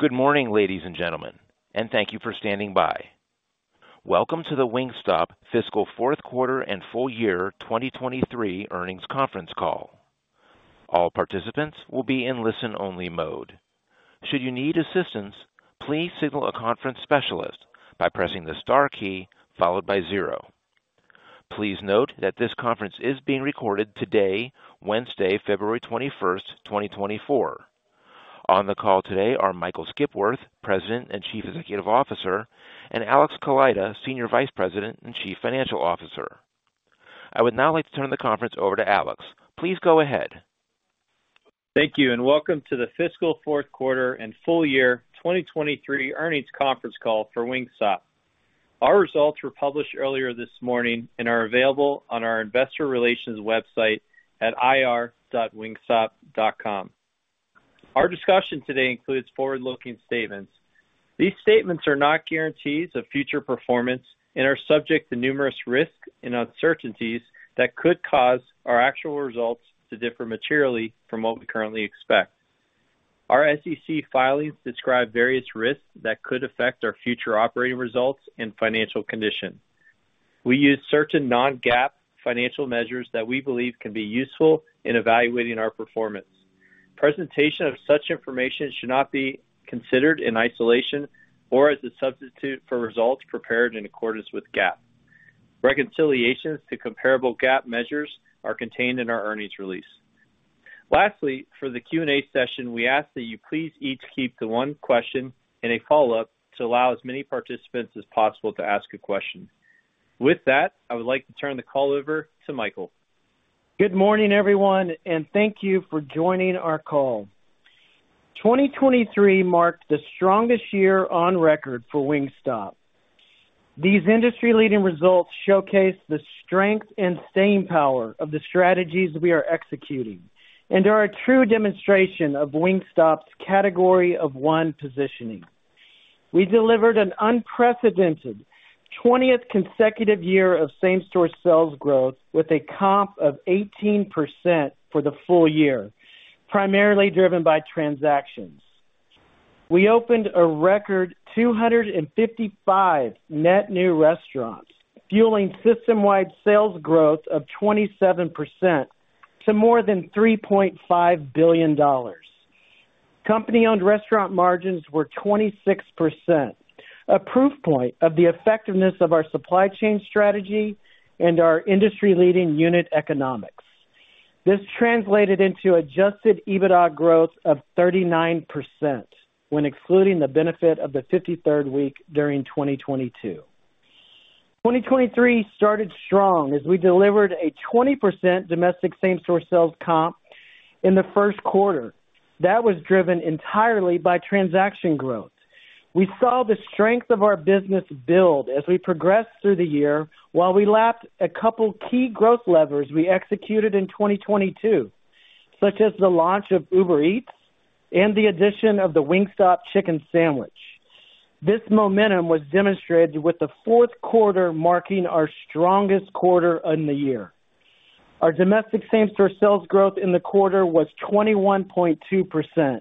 Good morning, ladies and gentlemen, and thank you for standing by. Welcome to the Wingstop Fiscal Fourth Quarter and Full Year 2023 Earnings Conference Call. All participants will be in listen-only mode. Should you need assistance, please signal a conference specialist by pressing the star key followed by zero. Please note that this conference is being recorded today, Wednesday, 21st February 2024. On the call today are Michael Skipworth, President and Chief Executive Officer, and Alex Kaleida, Senior Vice President and Chief Financial Officer. I would now like to turn the conference over to Alex. Please go ahead. Thank you, and welcome to the Fiscal Fourth Quarter and Full Year 2023 Earnings Conference Call for Wingstop. Our results were published earlier this morning and are available on our investor relations website at ir.wingstop.com. Our discussion today includes forward-looking statements. These statements are not guarantees of future performance and are subject to numerous risks and uncertainties that could cause our actual results to differ materially from what we currently expect. Our SEC filings describe various risks that could affect our future operating results and financial condition. We use certain non-GAAP financial measures that we believe can be useful in evaluating our performance. Presentation of such information should not be considered in isolation or as a substitute for results prepared in accordance with GAAP. Reconciliations to comparable GAAP measures are contained in our earnings release. Lastly, for the Q&A session, we ask that you please each keep the one question and a follow-up to allow as many participants as possible to ask a question. With that, I would like to turn the call over to Michael. Good morning, everyone, and thank you for joining our call. 2023 marked the strongest year on record for Wingstop. These industry-leading results showcase the strength and staying power of the strategies we are executing and are a true demonstration of Wingstop's category of one positioning. We delivered an unprecedented 20th consecutive year of same-store sales growth with a comp of 18% for the full year, primarily driven by transactions. We opened a record 255 net new restaurants, fueling system-wide sales growth of 27% to more than $3.5 billion. Company-owned restaurant margins were 26%, a proof point of the effectiveness of our supply chain strategy and our industry-leading unit economics. This translated into adjusted EBITDA growth of 39% when excluding the benefit of the 53rd week during 2022. 2023 started strong as we delivered a 20% domestic same-store sales comp in the first quarter. That was driven entirely by transaction growth. We saw the strength of our business build as we progressed through the year while we lapped a couple key growth levers we executed in 2022, such as the launch of Uber Eats and the addition of the Wingstop chicken sandwich. This momentum was demonstrated with the fourth quarter marking our strongest quarter in the year. Our domestic same-store sales growth in the quarter was 21.2%,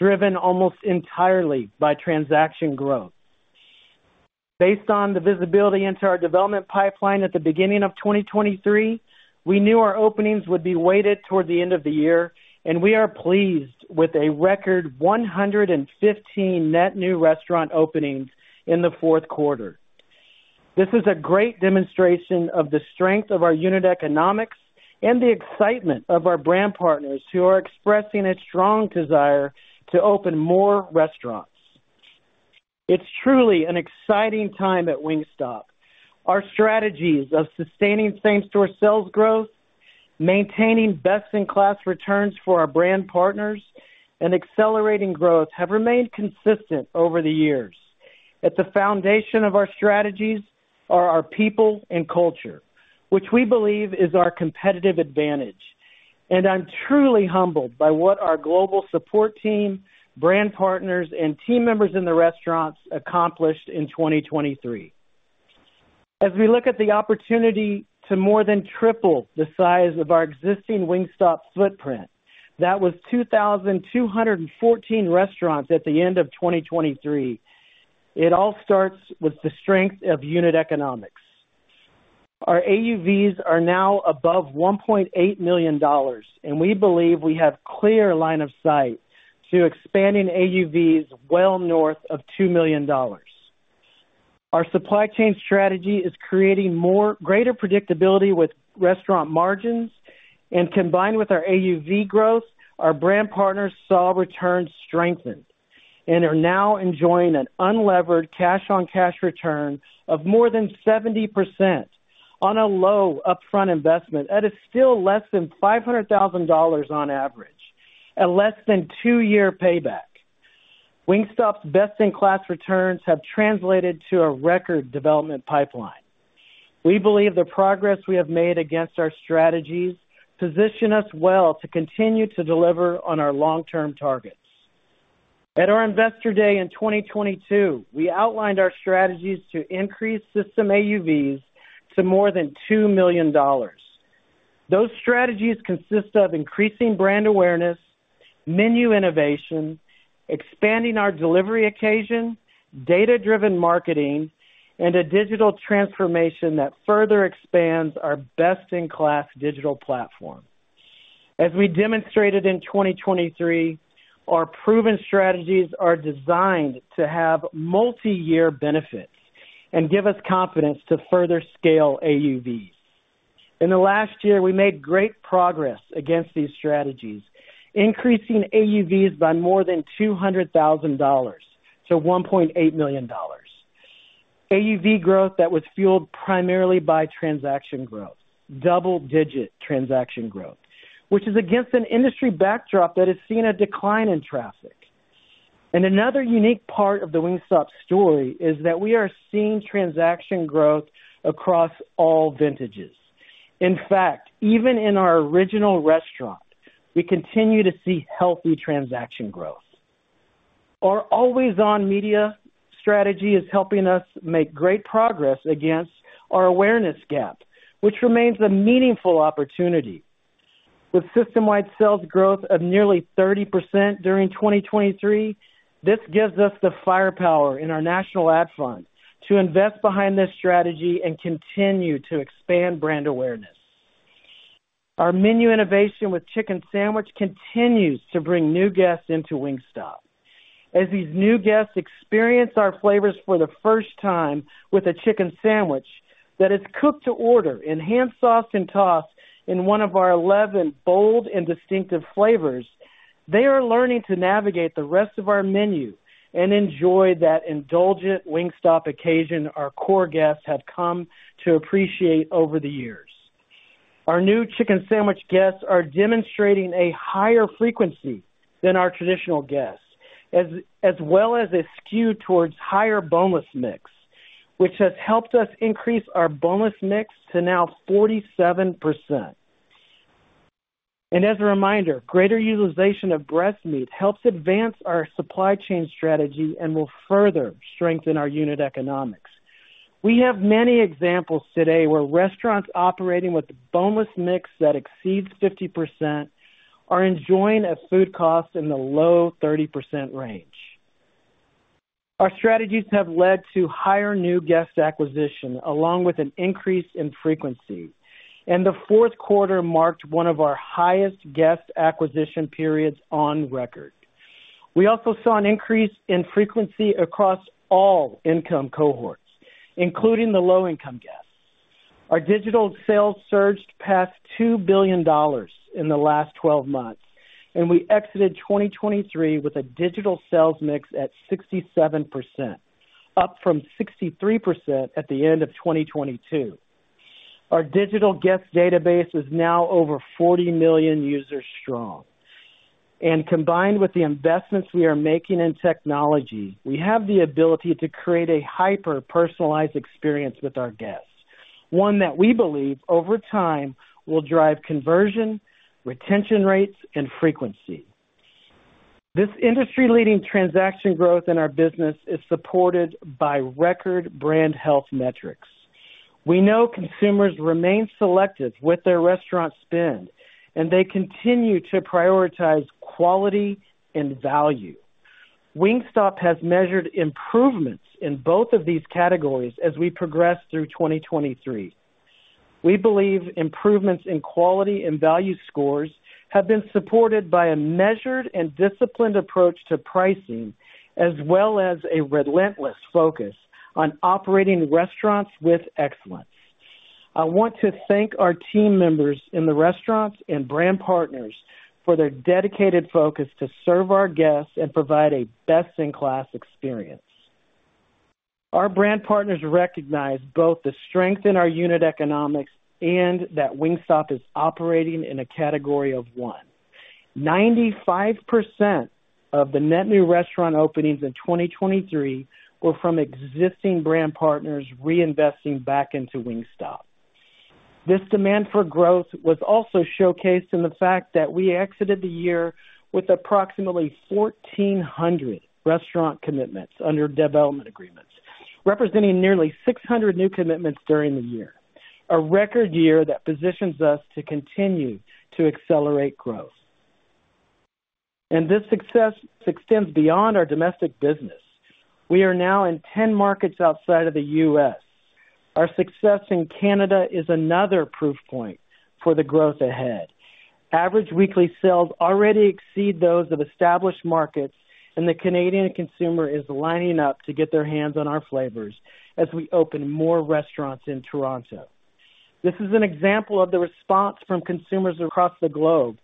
driven almost entirely by transaction growth. Based on the visibility into our development pipeline at the beginning of 2023, we knew our openings would be weighted toward the end of the year, and we are pleased with a record 115 net new restaurant openings in the fourth quarter. This is a great demonstration of the strength of our unit economics and the excitement of our brand partners who are expressing a strong desire to open more restaurants. It's truly an exciting time at Wingstop. Our strategies of sustaining same-store sales growth, maintaining best-in-class returns for our brand partners, and accelerating growth have remained consistent over the years. At the foundation of our strategies are our people and culture, which we believe is our competitive advantage, and I'm truly humbled by what our global support team, brand partners, and team members in the restaurants accomplished in 2023. As we look at the opportunity to more than triple the size of our existing Wingstop footprint, that was 2,214 restaurants at the end of 2023. It all starts with the strength of unit economics. Our AUVs are now above $1.8 million, and we believe we have clear line of sight to expanding AUVs well north of $2 million. Our supply chain strategy is creating greater predictability with restaurant margins, and combined with our AUV growth, our brand partners saw returns strengthen and are now enjoying an unlevered cash-on-cash return of more than 70% on a low upfront investment at still less than $500,000 on average, a less than two-year payback. Wingstop's best-in-class returns have translated to a record development pipeline. We believe the progress we have made against our strategies position us well to continue to deliver on our long-term targets. At our investor day in 2022, we outlined our strategies to increase system AUVs to more than $2 million. Those strategies consist of increasing brand awareness, menu innovation, expanding our delivery occasion, data-driven marketing, and a digital transformation that further expands our best-in-class digital platform. As we demonstrated in 2023, our proven strategies are designed to have multi-year benefits and give us confidence to further scale AUVs. In the last year, we made great progress against these strategies, increasing AUVs by more than $200,000 to $1.8 million. AUV growth that was fueled primarily by transaction growth, double-digit transaction growth, which is against an industry backdrop that has seen a decline in traffic. And another unique part of the Wingstop story is that we are seeing transaction growth across all vintages. In fact, even in our original restaurant, we continue to see healthy transaction growth. Our always-on media strategy is helping us make great progress against our awareness gap, which remains a meaningful opportunity. With system-wide sales growth of nearly 30% during 2023, this gives us the firepower in our national ad fund to invest behind this strategy and continue to expand brand awareness. Our menu innovation with chicken sandwich continues to bring new guests into Wingstop. As these new guests experience our flavors for the first time with a chicken sandwich that is cooked to order and hand-sauced and tossed in one of our 11 bold and distinctive flavors, they are learning to navigate the rest of our menu and enjoy that indulgent Wingstop occasion our core guests have come to appreciate over the years. Our new chicken sandwich guests are demonstrating a higher frequency than our traditional guests, as well as a skew towards higher boneless mix, which has helped us increase our boneless mix to now 47%. And as a reminder, greater utilization of breast meat helps advance our supply chain strategy and will further strengthen our unit economics. We have many examples today where restaurants operating with boneless mix that exceeds 50% are enjoying a food cost in the low 30% range. Our strategies have led to higher new guest acquisition along with an increase in frequency, and the fourth quarter marked one of our highest guest acquisition periods on record. We also saw an increase in frequency across all income cohorts, including the low-income guests. Our digital sales surged past $2 billion in the last 12 months, and we exited 2023 with a digital sales mix at 67%, up from 63% at the end of 2022. Our digital guest database is now over 40 million users strong. And combined with the investments we are making in technology, we have the ability to create a hyper-personalized experience with our guests, one that we believe over time will drive conversion, retention rates, and frequency. This industry-leading transaction growth in our business is supported by record brand health metrics. We know consumers remain selective with their restaurant spend, and they continue to prioritize quality and value. Wingstop has measured improvements in both of these categories as we progress through 2023. We believe improvements in quality and value scores have been supported by a measured and disciplined approach to pricing, as well as a relentless focus on operating restaurants with excellence. I want to thank our team members in the restaurants and brand partners for their dedicated focus to serve our guests and provide a best-in-class experience. Our brand partners recognize both the strength in our unit economics and that Wingstop is operating in a category of one. 95% of the net new restaurant openings in 2023 were from existing brand partners reinvesting back into Wingstop. This demand for growth was also showcased in the fact that we exited the year with approximately 1,400 restaurant commitments under development agreements, representing nearly 600 new commitments during the year, a record year that positions us to continue to accelerate growth. This success extends beyond our domestic business. We are now in 10 markets outside of the U.S. Our success in Canada is another proof point for the growth ahead. Average weekly sales already exceed those of established markets, and the Canadian consumer is lining up to get their hands on our flavors as we open more restaurants in Toronto. This is an example of the response from consumers across the globe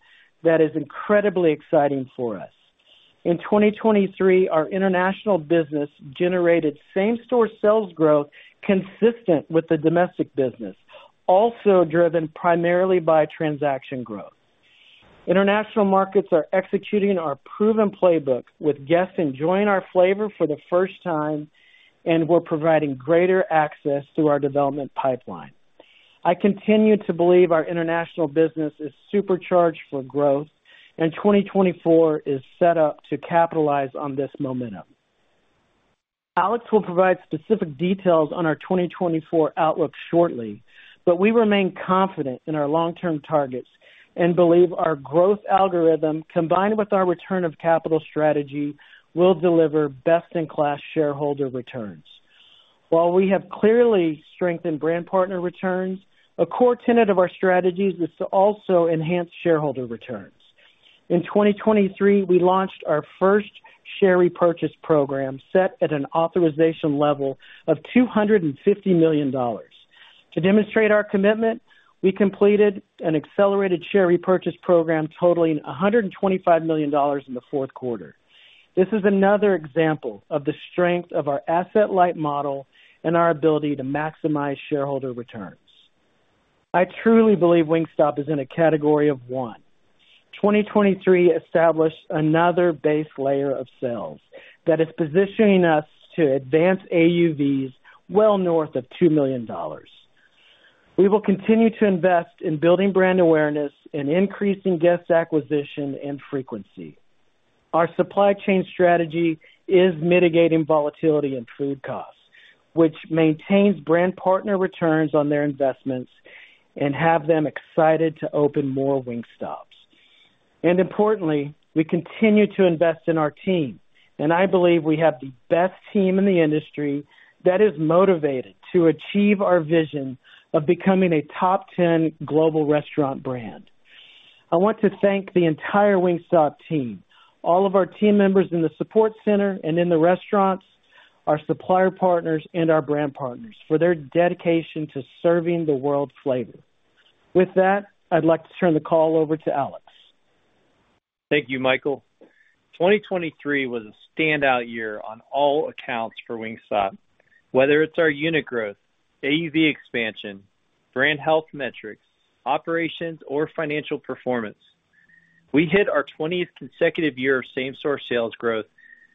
that is incredibly exciting for us. In 2023, our international business generated same-store sales growth consistent with the domestic business, also driven primarily by transaction growth. International markets are executing our proven playbook with guests enjoying our flavor for the first time, and we're providing greater access through our development pipeline. I continue to believe our international business is supercharged for growth, and 2024 is set up to capitalize on this momentum. Alex will provide specific details on our 2024 outlook shortly, but we remain confident in our long-term targets and believe our growth algorithm, combined with our return of capital strategy, will deliver best-in-class shareholder returns. While we have clearly strengthened brand partner returns, a core tenet of our strategies is to also enhance shareholder returns. In 2023, we launched our first share repurchase program set at an authorization level of $250 million. To demonstrate our commitment, we completed an accelerated share repurchase program totaling $125 million in the fourth quarter. This is another example of the strength of our asset-light model and our ability to maximize shareholder returns. I truly believe Wingstop is in a category of one. 2023 established another base layer of sales that is positioning us to advance AUVs well north of $2 million. We will continue to invest in building brand awareness and increasing guest acquisition and frequency. Our supply chain strategy is mitigating volatility in food costs, which maintains brand partner returns on their investments and have them excited to open more Wingstops. Importantly, we continue to invest in our team, and I believe we have the best team in the industry that is motivated to achieve our vision of becoming a top 10 global restaurant brand. I want to thank the entire Wingstop team, all of our team members in the support center and in the restaurants, our supplier partners, and our brand partners for their dedication to serving the world flavor. With that, I'd like to turn the call over to Alex. Thank you, Michael. 2023 was a standout year on all accounts for Wingstop, whether it's our unit growth, AUV expansion, brand health metrics, operations, or financial performance. We hit our 20th consecutive year of same-store sales growth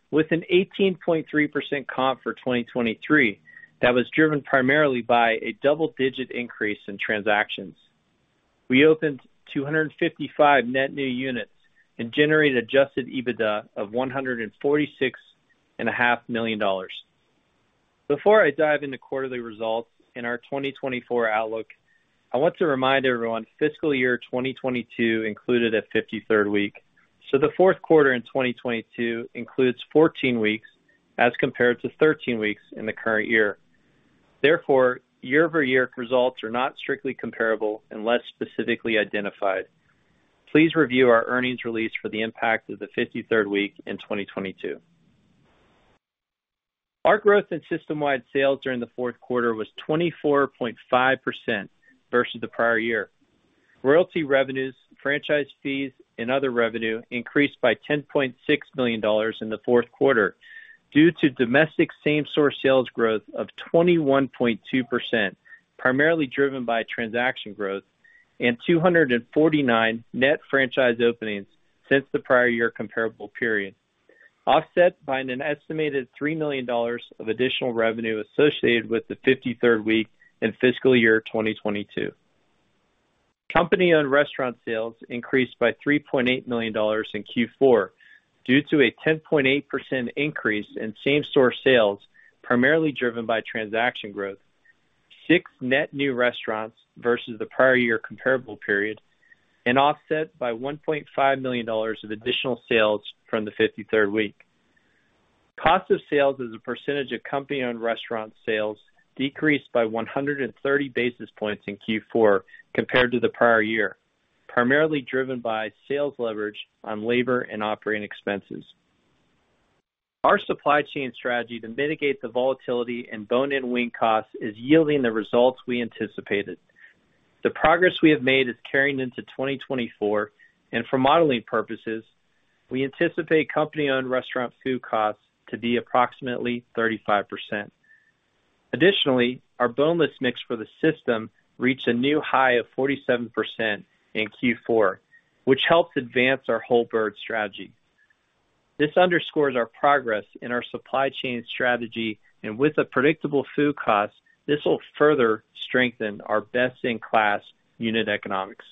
with an 18.3% comp for 2023 that was driven primarily by a double-digit increase in transactions. We opened 255 net new units and generated adjusted EBITDA of $146.5 million. Before I dive into quarterly results in our 2024 outlook, I want to remind everyone fiscal year 2022 included a 53rd week, so the fourth quarter in 2022 includes 14 weeks as compared to 13 weeks in the current year. Therefore, year-over-year results are not strictly comparable and less specifically identified. Please review our earnings release for the impact of the 53rd week in 2022. Our growth in system-wide sales during the fourth quarter was 24.5% versus the prior year. Royalty revenues, franchise fees, and other revenue increased by $10.6 million in the fourth quarter due to domestic same-store sales growth of 21.2%, primarily driven by transaction growth, and 249 net franchise openings since the prior year comparable period, offset by an estimated $3 million of additional revenue associated with the 53rd week in fiscal year 2022. Company-owned restaurant sales increased by $3.8 million in Q4 due to a 10.8% increase in same-store sales, primarily driven by transaction growth, six net new restaurants versus the prior year comparable period, and offset by $1.5 million of additional sales from the 53rd week. Cost of sales as a percentage of company-owned restaurant sales decreased by 130 basis points in Q4 compared to the prior year, primarily driven by sales leverage on labor and operating expenses. Our supply chain strategy to mitigate the volatility and bone-in wing costs is yielding the results we anticipated. The progress we have made is carrying into 2024, and for modeling purposes, we anticipate company-owned restaurant food costs to be approximately 35%. Additionally, our boneless mix for the system reached a new high of 47% in Q4, which helps advance our whole bird strategy. This underscores our progress in our supply chain strategy, and with the predictable food costs, this will further strengthen our best-in-class unit economics.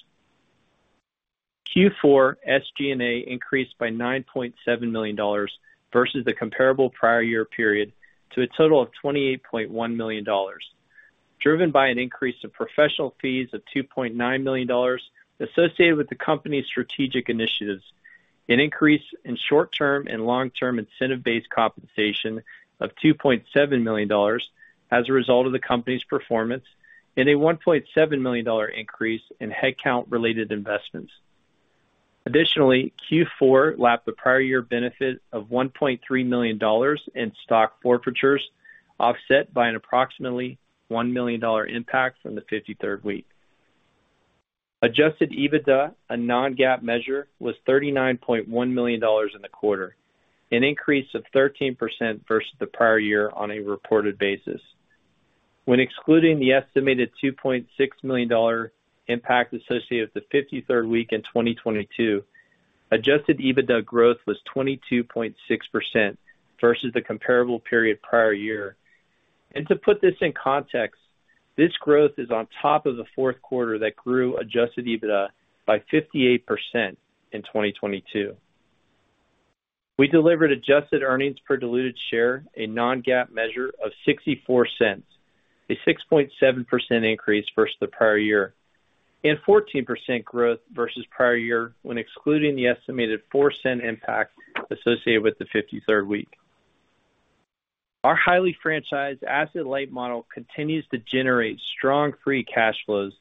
Q4 SG&A increased by $9.7 million versus the comparable prior year period to a total of $28.1 million, driven by an increase in professional fees of $2.9 million associated with the company's strategic initiatives, an increase in short-term and long-term incentive-based compensation of $2.7 million as a result of the company's performance, and a $1.7 million increase in headcount-related investments. Additionally, Q4 lapped the prior year benefit of $1.3 million in stock forfeitures, offset by an approximately $1 million impact from the 53rd week. Adjusted EBITDA, a non-GAAP measure, was $39.1 million in the quarter, an increase of 13% versus the prior year on a reported basis. When excluding the estimated $2.6 million impact associated with the 53rd week in 2022, adjusted EBITDA growth was 22.6% versus the comparable period prior year. And to put this in context, this growth is on top of the fourth quarter that grew adjusted EBITDA by 58% in 2022. We delivered adjusted earnings per diluted share, a non-GAAP measure, of $0.64, a 6.7% increase versus the prior year, and 14% growth versus prior year when excluding the estimated $0.04 impact associated with the 53rd week. Our highly franchised asset-light model continues to generate strong free cash flows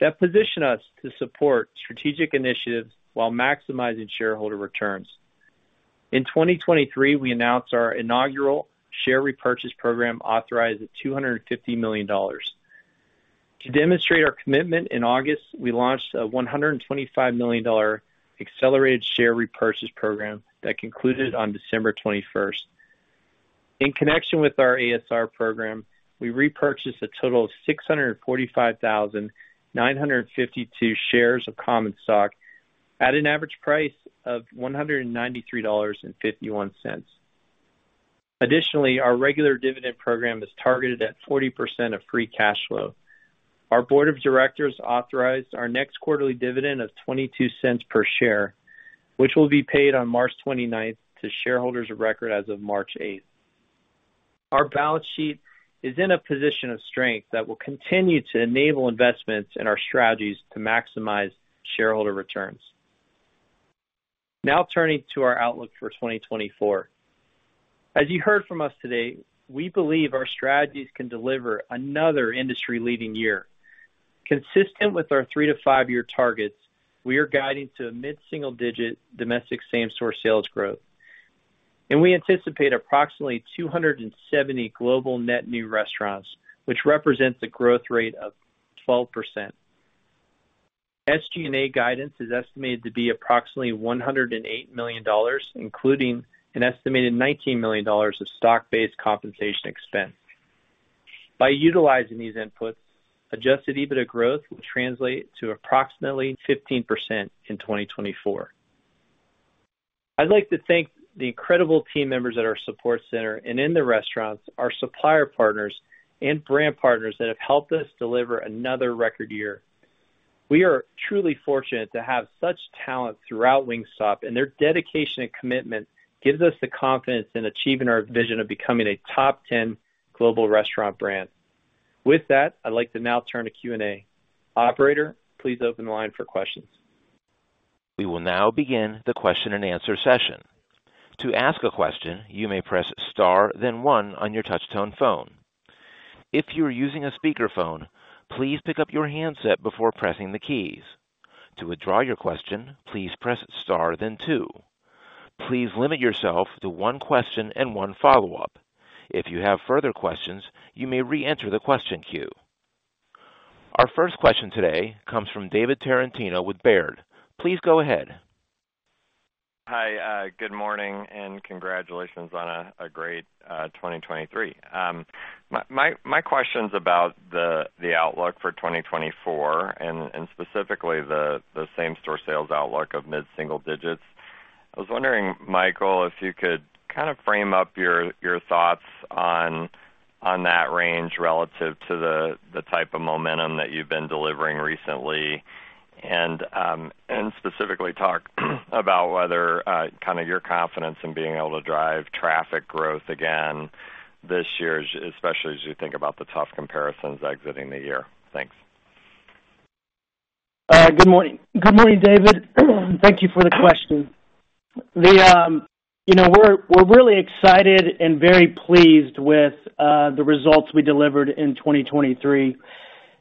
that position us to support strategic initiatives while maximizing shareholder returns. In 2023, we announced our inaugural share repurchase program authorized at $250 million. To demonstrate our commitment, in August, we launched a $125 million accelerated share repurchase program that concluded on 21st December. In connection with our ASR program, we repurchased a total of 645,952 shares of common stock at an average price of $193.51. Additionally, our regular dividend program is targeted at 40% of free cash flow. Our board of directors authorized our next quarterly dividend of $0.0022 per share, which will be paid on March 29th to shareholders of record as of March 8th. Our balance sheet is in a position of strength that will continue to enable investments in our strategies to maximize shareholder returns. Now turning to our outlook for 2024. As you heard from us today, we believe our strategies can deliver another industry-leading year. Consistent with our three to five year targets, we are guiding to a mid-single-digit domestic same-store sales growth, and we anticipate approximately 270 global net new restaurants, which represents a growth rate of 12%. SG&A guidance is estimated to be approximately $108 million, including an estimated $19 million of stock-based compensation expense. By utilizing these inputs, adjusted EBITDA growth will translate to approximately 15% in 2024. I'd like to thank the incredible team members at our support center and in the restaurants, our supplier partners, and brand partners that have helped us deliver another record year. We are truly fortunate to have such talent throughout Wingstop, and their dedication and commitment gives us the confidence in achieving our vision of becoming a top 10 global restaurant brand. With that, I'd like to now turn to Q&A. Operator, please open the line for questions. We will now begin the question-and-answer session. To ask a question, you may press star, then one, on your touch-tone phone. If you are using a speakerphone, please pick up your handset before pressing the keys. To withdraw your question, please press star, then two. Please limit yourself to one question and one follow-up. If you have further questions, you may reenter the question queue. Our first question today comes from David Tarantino with Baird. Please go ahead. Hi. Good morning and congratulations on a great 2023. My question's about the outlook for 2024 and specifically the same-store sales outlook of mid-single digits. I was wondering, Michael, if you could kind of frame up your thoughts on that range relative to the type of momentum that you've been delivering recently and specifically talk about whether kind of your confidence in being able to drive traffic growth again this year, especially as you think about the tough comparisons exiting the year. Thanks. Good morning. Good morning, David. Thank you for the question. We're really excited and very pleased with the results we delivered in 2023.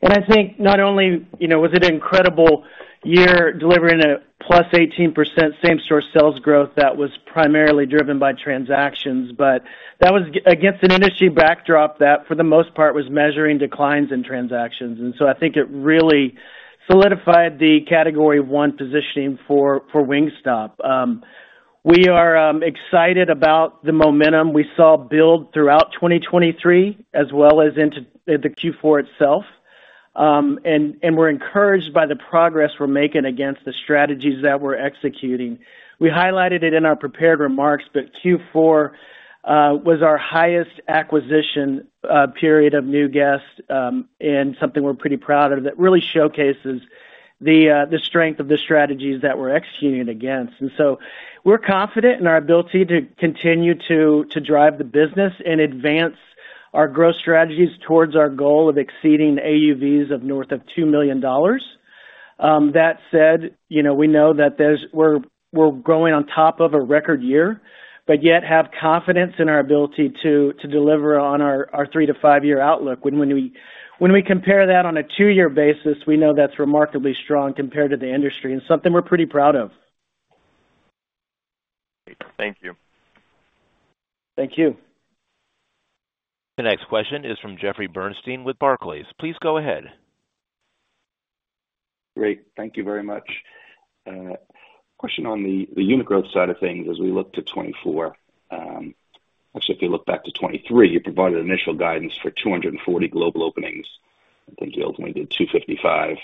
And I think not only was it an incredible year delivering a +18% same-store sales growth that was primarily driven by transactions, but that was against an industry backdrop that, for the most part, was measuring declines in transactions. And so I think it really solidified the category one positioning for Wingstop. We are excited about the momentum we saw build throughout 2023 as well as into the Q4 itself, and we're encouraged by the progress we're making against the strategies that we're executing. We highlighted it in our prepared remarks, but Q4 was our highest acquisition period of new guests and something we're pretty proud of that really showcases the strength of the strategies that we're executing against. So we're confident in our ability to continue to drive the business and advance our growth strategies towards our goal of exceeding AUVs of north of $2 million. That said, we know that we're growing on top of a record year, but yet have confidence in our ability to deliver on our three to five year outlook. When we compare that on a two year basis, we know that's remarkably strong compared to the industry and something we're pretty proud of. Great. Thank you. Thank you. The next question is from Jeffrey Bernstein with Barclays. Please go ahead. Great. Thank you very much. Question on the unit growth side of things as we look to 2024. Actually, if you look back to 2023, you provided initial guidance for 240 global openings. I think you ultimately did 255.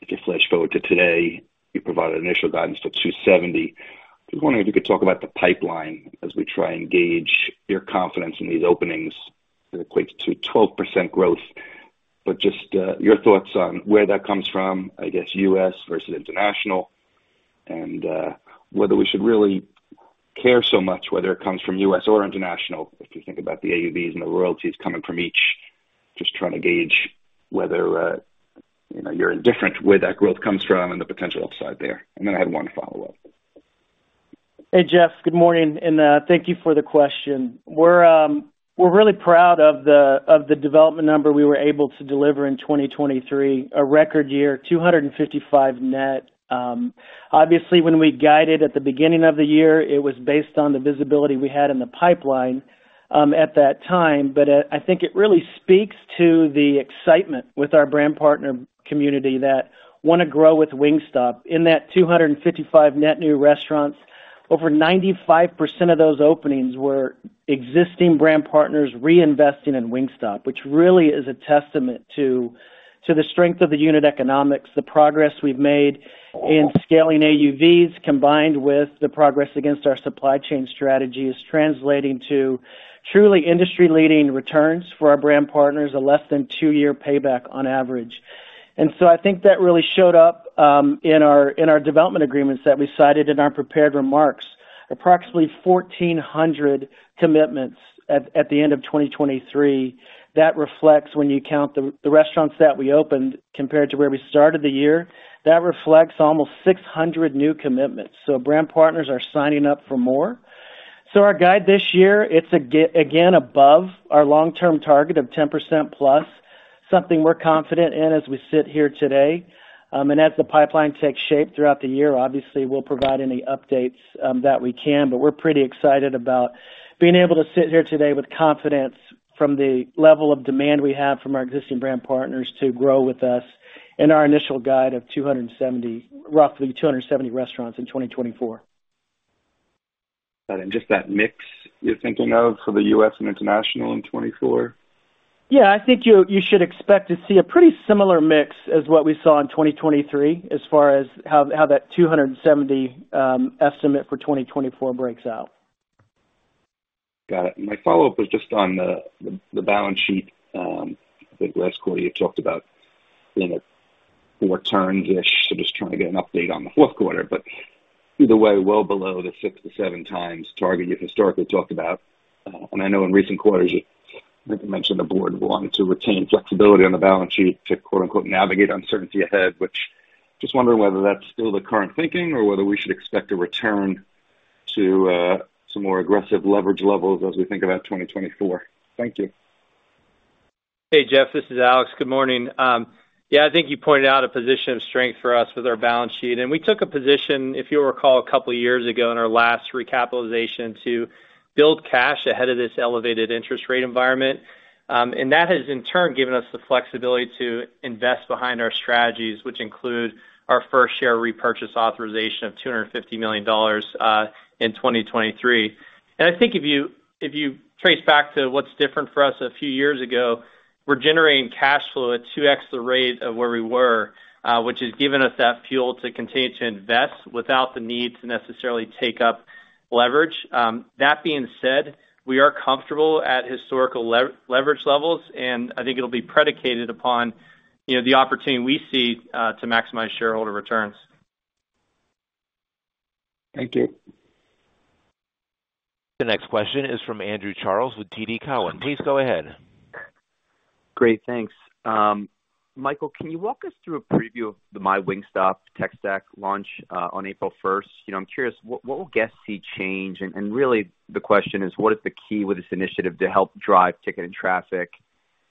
If you flash forward to today, you provided initial guidance for 270. I was wondering if you could talk about the pipeline as we try to engage your confidence in these openings. It equates to 12% growth, but just your thoughts on where that comes from, I guess, US versus international, and whether we should really care so much whether it comes from US or international if you think about the AUVs and the royalties coming from each, just trying to gauge whether you're indifferent where that growth comes from and the potential upside there. And then I had one follow-up. Hey, Jeff. Good morning. And thank you for the question. We're really proud of the development number we were able to deliver in 2023, a record year, 255 net. Obviously, when we guided at the beginning of the year, it was based on the visibility we had in the pipeline at that time, but I think it really speaks to the excitement with our brand partner community that want to grow with Wingstop. In that 255 net new restaurants, over 95% of those openings were existing brand partners reinvesting in Wingstop, which really is a testament to the strength of the unit economics, the progress we've made in scaling AUVs combined with the progress against our supply chain strategy is translating to truly industry-leading returns for our brand partners, a less than two-year payback on average. So I think that really showed up in our development agreements that we cited in our prepared remarks. Approximately 1,400 commitments at the end of 2023 that reflects, when you count the restaurants that we opened compared to where we started the year, that reflects almost 600 new commitments. So brand partners are signing up for more. So our guide this year, it's, again, above our long-term target of 10% plus, something we're confident in as we sit here today. And as the pipeline takes shape throughout the year, obviously, we'll provide any updates that we can, but we're pretty excited about being able to sit here today with confidence from the level of demand we have from our existing brand partners to grow with us in our initial guide of roughly 270 restaurants in 2024. Got it. And just that mix you're thinking of for the U.S. and international in 2024? Yeah. I think you should expect to see a pretty similar mix as what we saw in 2023 as far as how that 270 estimate for 2024 breaks out. Got it. And my follow-up was just on the balance sheet. I think last quarter, you talked about being at 4 turns-ish. So just trying to get an update on the fourth quarter, but either way, well below the six to seven times target you've historically talked about. And I know in recent quarters, I think you mentioned the board wanted to retain flexibility on the balance sheet to "navigate uncertainty ahead," which just wondering whether that's still the current thinking or whether we should expect a return to some more aggressive leverage levels as we think about 2024. Thank you. Hey, Jeff. This is Alex. Good morning. Yeah, I think you pointed out a position of strength for us with our balance sheet. We took a position, if you'll recall, a couple of years ago in our last recapitalization to build cash ahead of this elevated interest rate environment. That has, in turn, given us the flexibility to invest behind our strategies, which include our first-share repurchase authorization of $250 million in 2023. I think if you trace back to what's different for us a few years ago, we're generating cash flow at 2x the rate of where we were, which has given us that fuel to continue to invest without the need to necessarily take up leverage. That being said, we are comfortable at historical leverage levels, and I think it'll be predicated upon the opportunity we see to maximize shareholder returns. Thank you. The next question is from Andrew Charles with TD Cowen. Please go ahead. Great. Thanks. Michael, can you walk us through a preview of MyWingstop tech stack launch on 1st April? I'm curious, what will guests see change? And really, the question is, what is the key with this initiative to help drive ticket and traffic?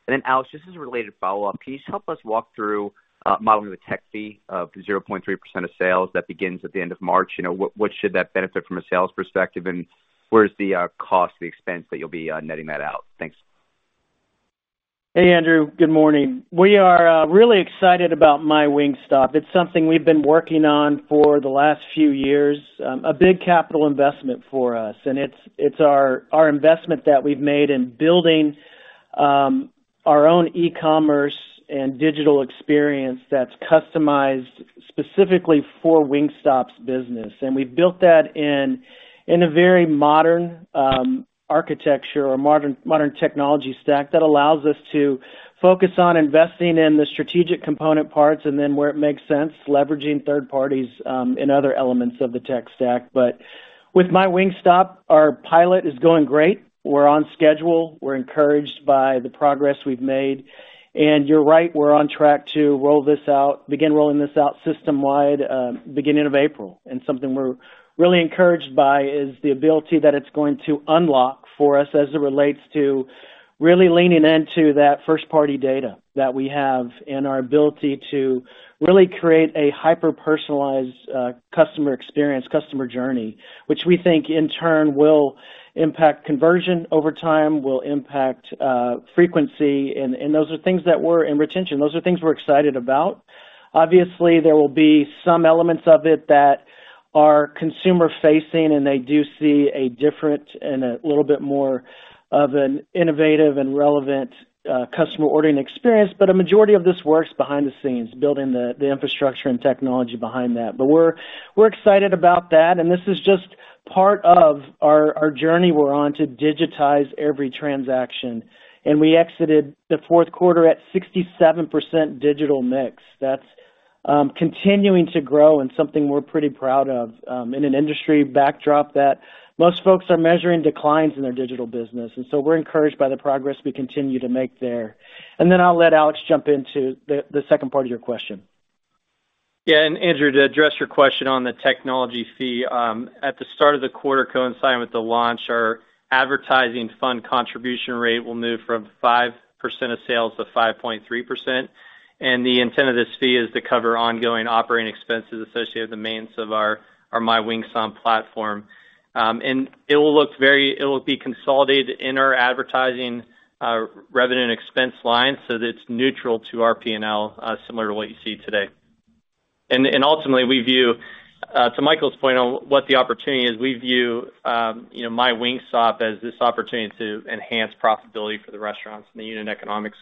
And then, Alex, just as a related follow-up, can you just help us walk through modeling the tech fee of 0.3% of sales that begins at the end of March? What should that benefit from a sales perspective, and where's the cost, the expense that you'll be netting that out? Thanks. Hey, Andrew. Good morning. We are really excited about MyWingstop. It's something we've been working on for the last few years, a big capital investment for us. And it's our investment that we've made in building our own e-commerce and digital experience that's customized specifically for Wingstop's business. And we've built that in a very modern architecture or modern technology stack that allows us to focus on investing in the strategic component parts and then where it makes sense, leveraging third parties in other elements of the tech stack. But with MyWingstop, our pilot is going great. We're on schedule. We're encouraged by the progress we've made. And you're right. We're on track to begin rolling this out system-wide beginning of April. Something we're really encouraged by is the ability that it's going to unlock for us as it relates to really leaning into that first-party data that we have and our ability to really create a hyper-personalized customer experience, customer journey, which we think, in turn, will impact conversion over time, will impact frequency. And those are things that we're in retention. Those are things we're excited about. Obviously, there will be some elements of it that are consumer-facing, and they do see a different and a little bit more of an innovative and relevant customer ordering experience. But a majority of this works behind the scenes, building the infrastructure and technology behind that. But we're excited about that. And this is just part of our journey we're on to digitize every transaction. And we exited the fourth quarter at 67% digital mix. That's continuing to grow and something we're pretty proud of in an industry backdrop that most folks are measuring declines in their digital business. And so we're encouraged by the progress we continue to make there. And then I'll let Alex jump into the second part of your question. Yeah. And Andrew, to address your question on the technology fee, at the start of the quarter coinciding with the launch, our advertising fund contribution rate will move from 5% of sales to 5.3%. And the intent of this fee is to cover ongoing operating expenses associated with the maintenance of our MyWingstop platform. And it will be consolidated in our advertising revenue and expense line so that it's neutral to our P&L, similar to what you see today. And ultimately, to Michael's point on what the opportunity is, we view MyWingstop as this opportunity to enhance profitability for the restaurants and the unit economics.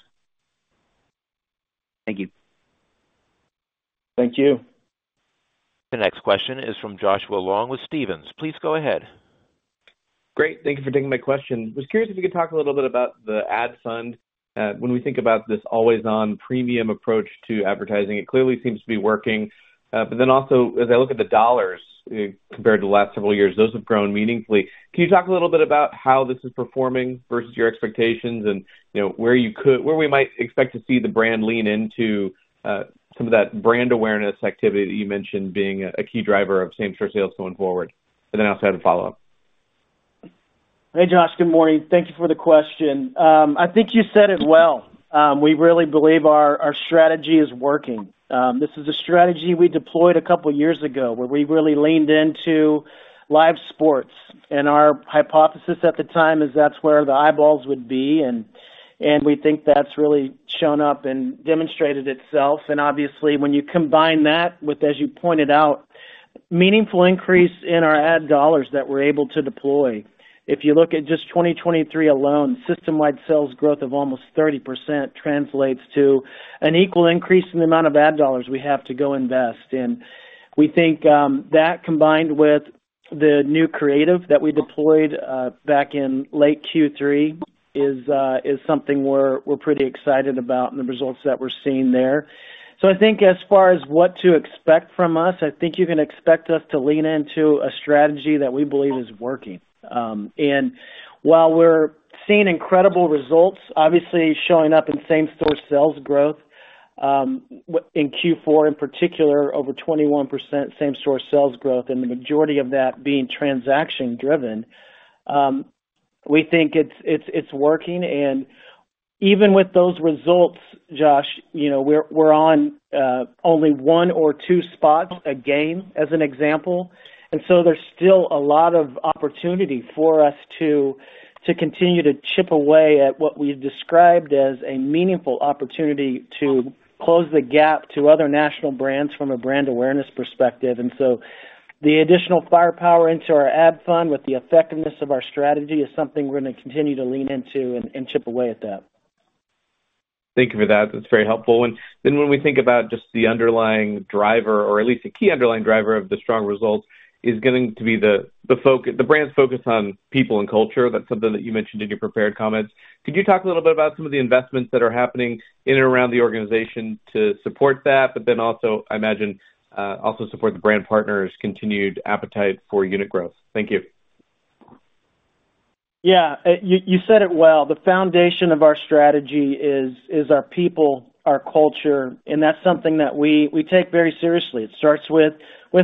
Thank you. Thank you. The next question is from Joshua Long with Stephens. Please go ahead. Great. Thank you for taking my question. I was curious if you could talk a little bit about the ad fund. When we think about this always-on premium approach to advertising, it clearly seems to be working. But then also, as I look at the dollars compared to the last several years, those have grown meaningfully. Can you talk a little bit about how this is performing versus your expectations and where we might expect to see the brand lean into some of that brand awareness activity that you mentioned being a key driver of same-store sales going forward? And then I'll have a follow-up. Hey, Josh. Good morning. Thank you for the question. I think you said it well. We really believe our strategy is working. This is a strategy we deployed a couple of years ago where we really leaned into live sports. And our hypothesis at the time is that's where the eyeballs would be. And we think that's really shown up and demonstrated itself. And obviously, when you combine that with, as you pointed out, meaningful increase in our ad dollars that we're able to deploy, if you look at just 2023 alone, system-wide sales growth of almost 30% translates to an equal increase in the amount of ad dollars we have to go invest in. We think that combined with the new creative that we deployed back in late Q3 is something we're pretty excited about and the results that we're seeing there. So I think as far as what to expect from us, I think you can expect us to lean into a strategy that we believe is working. And while we're seeing incredible results, obviously, showing up in same-store sales growth in Q4 in particular, over 21% same-store sales growth, and the majority of that being transaction-driven, we think it's working. And even with those results, Josh, we're on only one or two spots a game, as an example. And so there's still a lot of opportunity for us to continue to chip away at what we've described as a meaningful opportunity to close the gap to other national brands from a brand awareness perspective. And so the additional firepower into our ad fund with the effectiveness of our strategy is something we're going to continue to lean into and chip away at that. Thank you for that. That's very helpful. And then when we think about just the underlying driver or at least a key underlying driver of the strong results is going to be the brand's focus on people and culture. That's something that you mentioned in your prepared comments. Could you talk a little bit about some of the investments that are happening in and around the organization to support that, but then also, I imagine, also support the brand partners' continued appetite for unit growth? Thank you. Yeah. You said it well. The foundation of our strategy is our people, our culture. That's something that we take very seriously. It starts with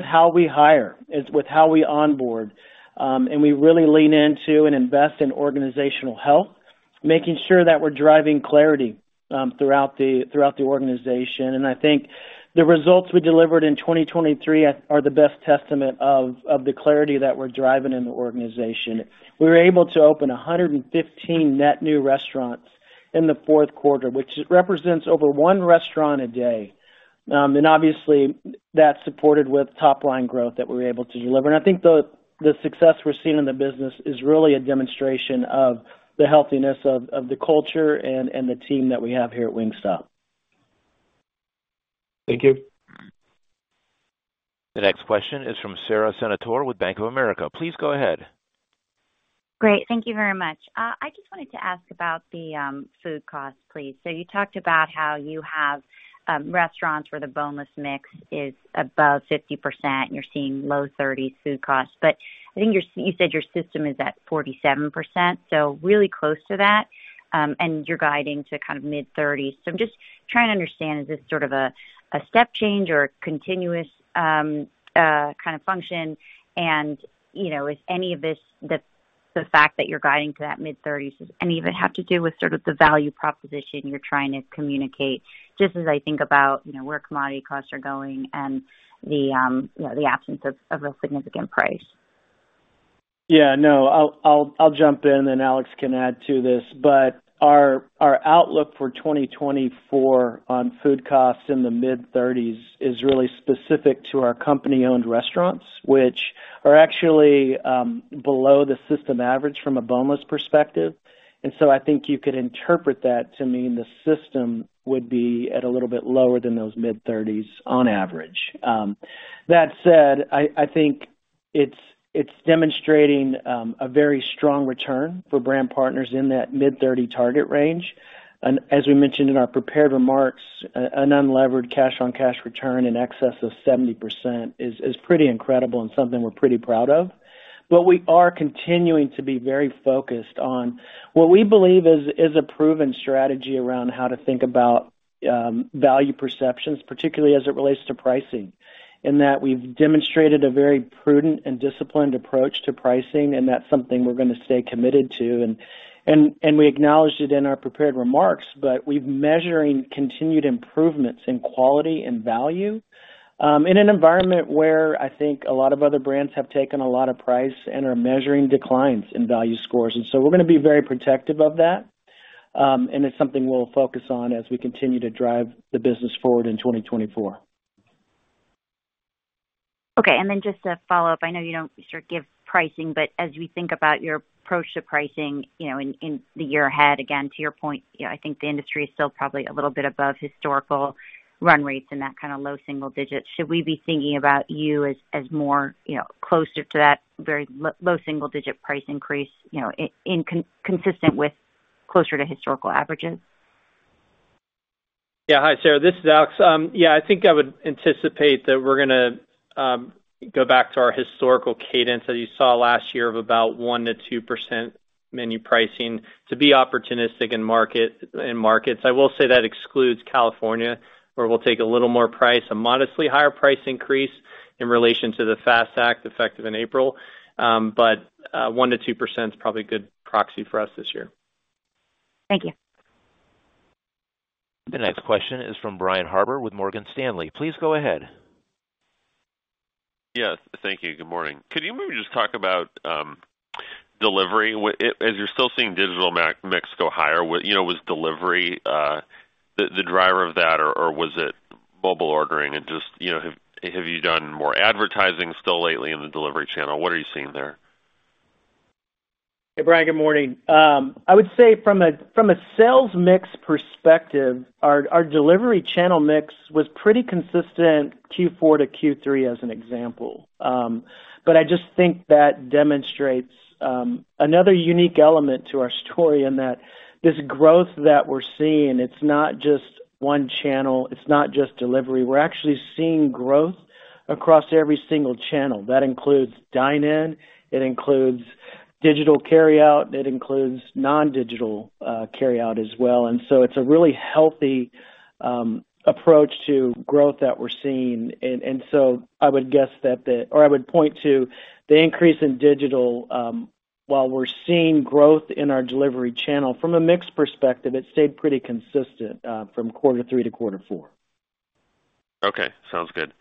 how we hire, with how we onboard. We really lean into and invest in organizational health, making sure that we're driving clarity throughout the organization. I think the results we delivered in 2023 are the best testament of the clarity that we're driving in the organization. We were able to open 115 net new restaurants in the fourth quarter, which represents over one restaurant a day. Obviously, that's supported with top-line growth that we were able to deliver. I think the success we're seeing in the business is really a demonstration of the healthiness of the culture and the team that we have here at Wingstop. Thank you. The next question is from Sara Senatore with Bank of America. Please go ahead. Great. Thank you very much. I just wanted to ask about the food costs, please. So you talked about how you have restaurants where the boneless mix is above 50%, and you're seeing low 30s food costs. But I think you said your system is at 47%, so really close to that, and you're guiding to kind of mid-30s. So I'm just trying to understand, is this sort of a step change or a continuous kind of function? And is any of this, the fact that you're guiding to that mid-30s, does any of it have to do with sort of the value proposition you're trying to communicate just as I think about where commodity costs are going and the absence of a significant price? Yeah. No. I'll jump in, and then Alex can add to this. But our outlook for 2024 on food costs in the mid-30s is really specific to our company-owned restaurants, which are actually below the system average from a boneless perspective. And so I think you could interpret that to mean the system would be at a little bit lower than those mid-30s on average. That said, I think it's demonstrating a very strong return for brand partners in that mid-30 target range. And as we mentioned in our prepared remarks, an unlevered cash-on-cash return in excess of 70% is pretty incredible and something we're pretty proud of. We are continuing to be very focused on what we believe is a proven strategy around how to think about value perceptions, particularly as it relates to pricing, in that we've demonstrated a very prudent and disciplined approach to pricing, and that's something we're going to stay committed to. We acknowledged it in our prepared remarks, but we've been measuring continued improvements in quality and value in an environment where I think a lot of other brands have taken a lot of price and are measuring declines in value scores. So we're going to be very protective of that. It's something we'll focus on as we continue to drive the business forward in 2024. Okay. And then just a follow-up. I know you don't sort of give pricing, but as we think about your approach to pricing in the year ahead, again, to your point, I think the industry is still probably a little bit above historical run rates and that kind of low single digit. Should we be thinking about you as more closer to that very low single-digit price increase consistent with closer to historical averages? Yeah. Hi, Sara. This is Alex. Yeah. I think I would anticipate that we're going to go back to our historical cadence that you saw last year of about 1%-2% menu pricing to be opportunistic in markets. I will say that excludes California, where we'll take a little more price, a modestly higher price increase in relation to the FAST Act effective in April. But 1%-2% is probably a good proxy for us this year. Thank you. The next question is from Brian Harbour with Morgan Stanley. Please go ahead. Yes. Thank you. Good morning. Could you maybe just talk about delivery? As you're still seeing digital mix go higher, was delivery the driver of that, or was it mobile ordering? And have you done more advertising still lately in the delivery channel? What are you seeing there? Hey, Brian. Good morning. I would say from a sales mix perspective, our delivery channel mix was pretty consistent Q4 to Q3, as an example. But I just think that demonstrates another unique element to our story in that this growth that we're seeing, it's not just one channel. It's not just delivery. We're actually seeing growth across every single channel. That includes dine-in. It includes digital carryout. It includes non-digital carryout as well. And so it's a really healthy approach to growth that we're seeing. And so I would guess that the or I would point to the increase in digital. While we're seeing growth in our delivery channel from a mix perspective, it stayed pretty consistent from quarter three to quarter four. Okay. Sounds good.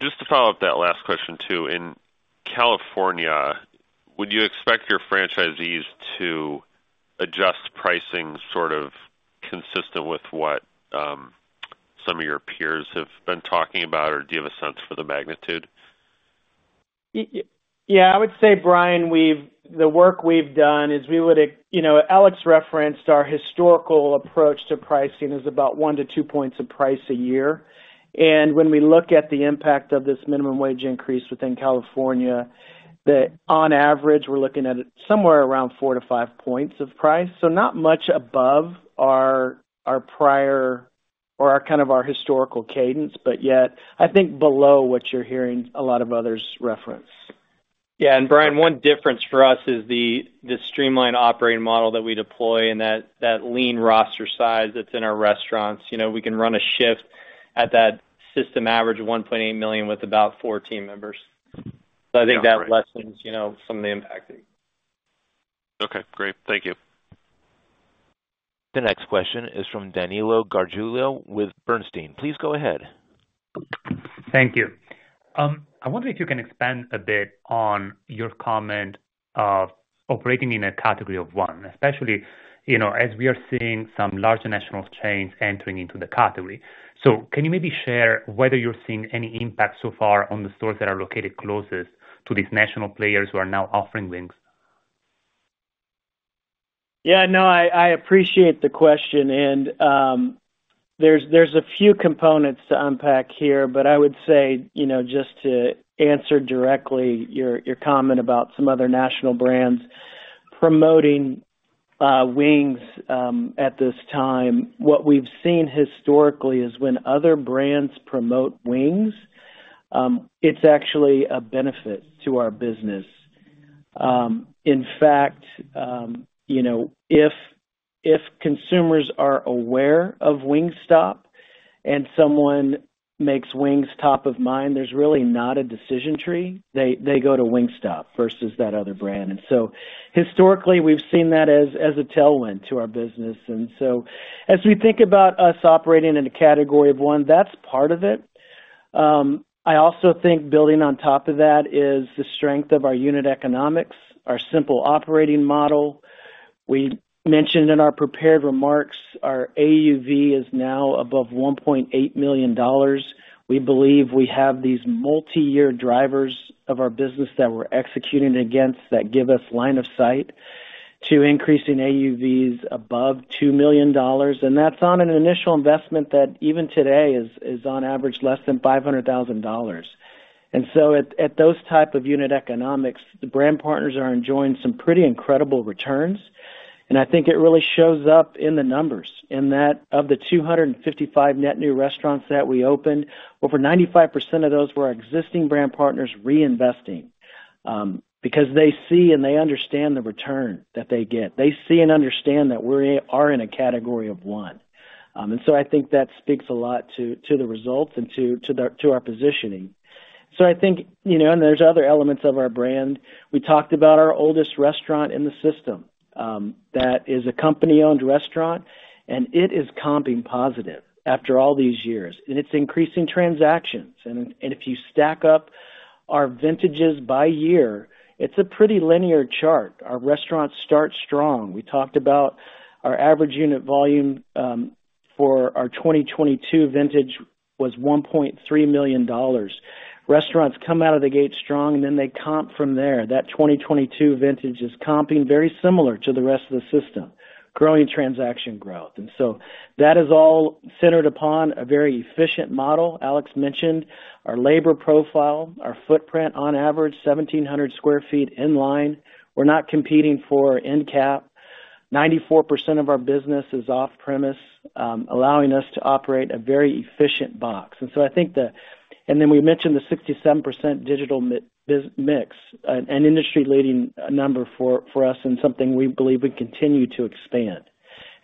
Just to follow up that last question too, in California, would you expect your franchisees to adjust pricing sort of consistent with what some of your peers have been talking about, or do you have a sense for the magnitude? Yeah. I would say, Brian, the work we've done is we would Alex referenced our historical approach to pricing as about 1-2 points of price a year. And when we look at the impact of this minimum wage increase within California, on average, we're looking at it somewhere around 4-5 points of price. So not much above our prior or kind of our historical cadence, but yet I think below what you're hearing a lot of others reference. Yeah. And Brian, one difference for us is the streamlined operating model that we deploy and that lean roster size that's in our restaurants. We can run a shift at that system average of $1.8 million with about four team members. So I think that lessens some of the impact. Okay. Great. Thank you. The next question is from Danilo Gargiulo with Bernstein. Please go ahead. Thank you. I wonder if you can expand a bit on your comment of operating in a category of one, especially as we are seeing some larger national chains entering into the category. So can you maybe share whether you're seeing any impact so far on the stores that are located closest to these national players who are now offering wings? Yeah. No. I appreciate the question. And there's a few components to unpack here. But I would say just to answer directly your comment about some other national brands promoting wings at this time, what we've seen historically is when other brands promote wings, it's actually a benefit to our business. In fact, if consumers are aware of Wingstop and someone makes Wingstop top of mind, there's really not a decision tree. They go to Wingstop versus that other brand. And so historically, we've seen that as a tailwind to our business. And so as we think about us operating in a category of one, that's part of it. I also think building on top of that is the strength of our unit economics, our simple operating model. We mentioned in our prepared remarks, our AUV is now above $1.8 million. We believe we have these multi-year drivers of our business that we're executing against that give us line of sight to increasing AUVs above $2 million. And that's on an initial investment that even today is, on average, less than $500,000. And so at those type of unit economics, the brand partners are enjoying some pretty incredible returns. And I think it really shows up in the numbers in that of the 255 net new restaurants that we opened, over 95% of those were our existing brand partners reinvesting because they see and they understand the return that they get. They see and understand that we are in a category of one. And so I think that speaks a lot to the results and to our positioning. So I think and there's other elements of our brand. We talked about our oldest restaurant in the system. That is a company-owned restaurant, and it is comping positive after all these years. And it's increasing transactions. And if you stack up our vintages by year, it's a pretty linear chart. Our restaurants start strong. We talked about our average unit volume for our 2022 vintage was $1.3 million. Restaurants come out of the gate strong, and then they comp from there. That 2022 vintage is comping very similar to the rest of the system, growing transaction growth. And so that is all centered upon a very efficient model. Alex mentioned our labor profile, our footprint, on average, 1,700 sq ft in line. We're not competing for end cap. 94% of our business is off-premise, allowing us to operate a very efficient box. And so I think and then we mentioned the 67% digital mix, an industry-leading number for us and something we believe we continue to expand.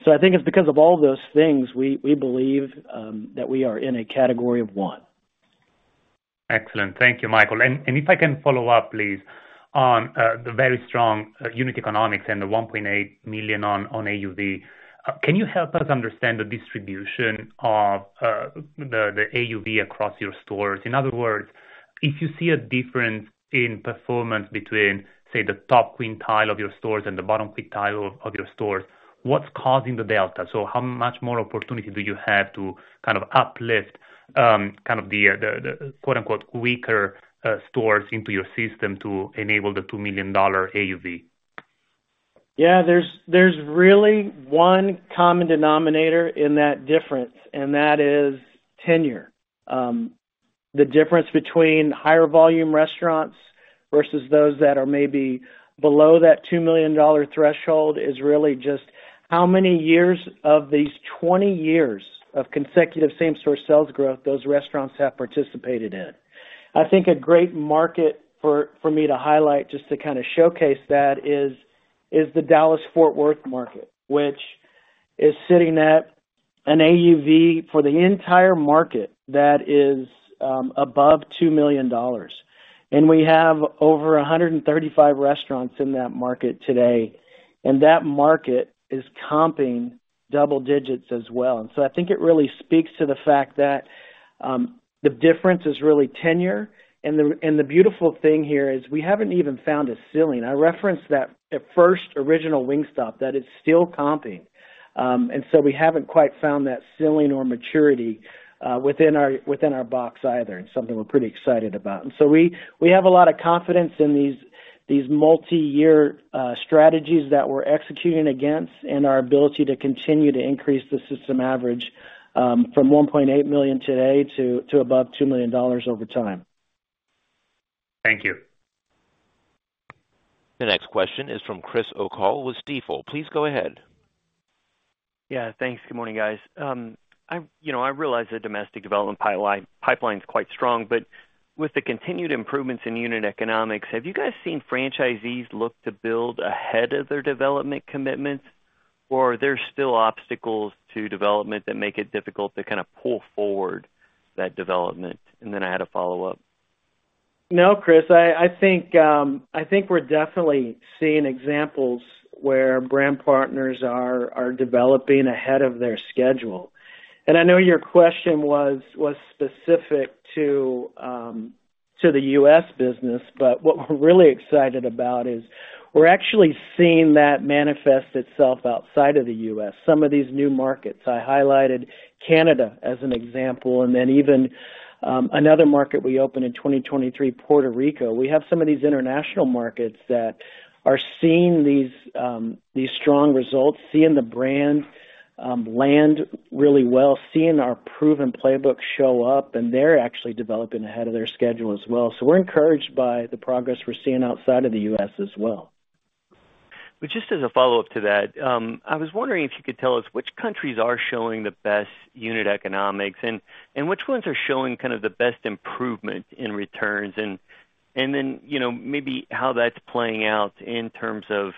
I think it's because of all those things, we believe that we are in a category of one. Excellent. Thank you, Michael. If I can follow up, please, on the very strong unit economics and the $1.8 million on AUV, can you help us understand the distribution of the AUV across your stores? In other words, if you see a difference in performance between, say, the top quartile of your stores and the bottom quartile of your stores, what's causing the delta? So how much more opportunity do you have to kind of uplift kind of the "weaker" stores into your system to enable the $2 million AUV? Yeah. There's really one common denominator in that difference, and that is tenure. The difference between higher-volume restaurants versus those that are maybe below that $2 million threshold is really just how many years of these 20 years of consecutive same-store sales growth those restaurants have participated in. I think a great market for me to highlight just to kind of showcase that is the Dallas-Fort Worth market, which is sitting at an AUV for the entire market that is above $2 million. And we have over 135 restaurants in that market today. And that market is comping double digits as well. And so I think it really speaks to the fact that the difference is really tenure. And the beautiful thing here is we haven't even found a ceiling. I referenced that first original Wingstop that is still comping. And so we haven't quite found that ceiling or maturity within our box either, and something we're pretty excited about. And so we have a lot of confidence in these multi-year strategies that we're executing against and our ability to continue to increase the system average from $1.8 million today to above $2 million over time. Thank you. The next question is from Chris O'Cull with Stifel. Please go ahead. Yeah. Thanks. Good morning, guys. I realize the domestic development pipeline is quite strong, but with the continued improvements in unit economics, have you guys seen franchisees look to build ahead of their development commitments, or are there still obstacles to development that make it difficult to kind of pull forward that development? And then I had a follow-up. No, Chris. I think we're definitely seeing examples where brand partners are developing ahead of their schedule. And I know your question was specific to the U.S. business, but what we're really excited about is we're actually seeing that manifest itself outside of the U.S., some of these new markets. I highlighted Canada as an example, and then even another market we opened in 2023, Puerto Rico. We have some of these international markets that are seeing these strong results, seeing the brand land really well, seeing our proven playbook show up, and they're actually developing ahead of their schedule as well. So we're encouraged by the progress we're seeing outside of the U.S. as well. Just as a follow-up to that, I was wondering if you could tell us which countries are showing the best unit economics and which ones are showing kind of the best improvement in returns and then maybe how that's playing out in terms of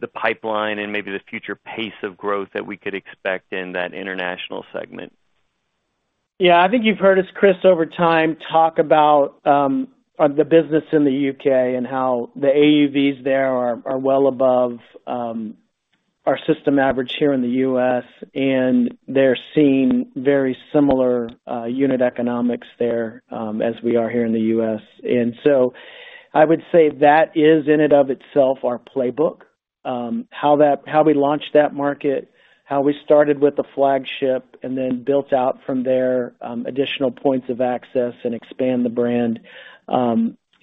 the pipeline and maybe the future pace of growth that we could expect in that international segment? Yeah. I think you've heard us, Chris, over time talk about the business in the U.K. and how the AUVs there are well above our system average here in the U.S., and they're seeing very similar unit economics there as we are here in the U.S. And so I would say that is, in and of itself, our playbook. How we launched that market, how we started with the flagship, and then built out from there additional points of access and expand the brand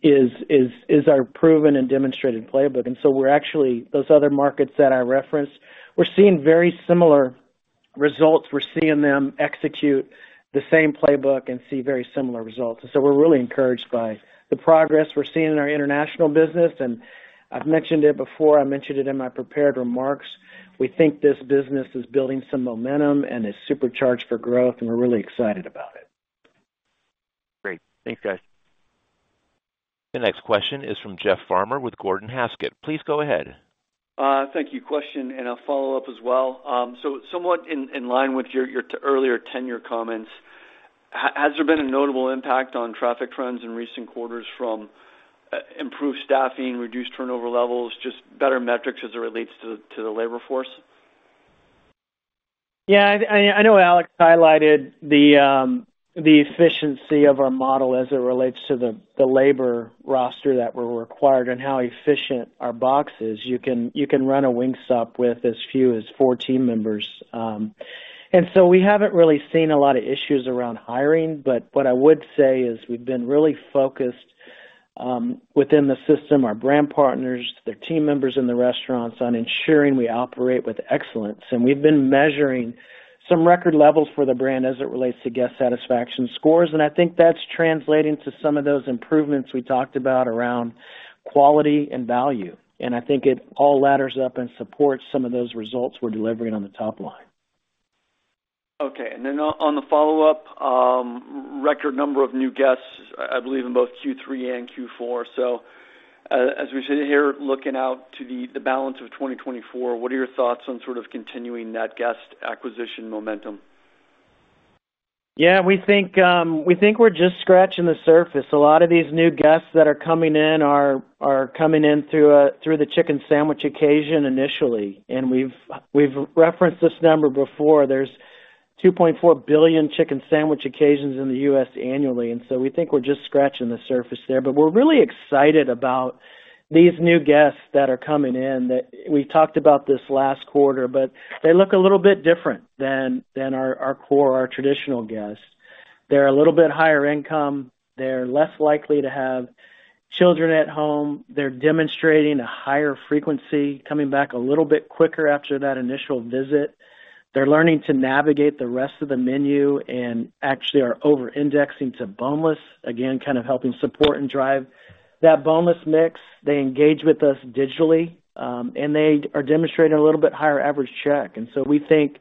is our proven and demonstrated playbook. And so those other markets that I referenced, we're seeing very similar results. We're seeing them execute the same playbook and see very similar results. And so we're really encouraged by the progress we're seeing in our international business. And I've mentioned it before. I mentioned it in my prepared remarks. We think this business is building some momentum and is supercharged for growth, and we're really excited about it. Great. Thanks, guys. The next question is from Jeff Farmer with Gordon Haskett. Please go ahead. Thank you, question. I'll follow up as well. Somewhat in line with your earlier tenure comments, has there been a notable impact on traffic trends in recent quarters from improved staffing, reduced turnover levels, just better metrics as it relates to the labor force? Yeah. I know Alex highlighted the efficiency of our model as it relates to the labor roster that we're required and how efficient our box is. You can run a Wingstop with as few as 14 members. And so we haven't really seen a lot of issues around hiring. But what I would say is we've been really focused within the system, our brand partners, their team members in the restaurants, on ensuring we operate with excellence. And we've been measuring some record levels for the brand as it relates to guest satisfaction scores. And I think that's translating to some of those improvements we talked about around quality and value. And I think it all ladders up and supports some of those results we're delivering on the top line. Okay. And then on the follow-up, record number of new guests, I believe, in both Q3 and Q4. So as we sit here looking out to the balance of 2024, what are your thoughts on sort of continuing that guest acquisition momentum? Yeah. We think we're just scratching the surface. A lot of these new guests that are coming in are coming in through the chicken sandwich occasion initially. And we've referenced this number before. There's 2.4 billion chicken sandwich occasions in the U.S. annually. And so we think we're just scratching the surface there. But we're really excited about these new guests that are coming in. We talked about this last quarter, but they look a little bit different than our core, our traditional guests. They're a little bit higher income. They're less likely to have children at home. They're demonstrating a higher frequency, coming back a little bit quicker after that initial visit. They're learning to navigate the rest of the menu and actually are over-indexing to boneless, again, kind of helping support and drive that boneless mix. They engage with us digitally, and they are demonstrating a little bit higher average check. So we think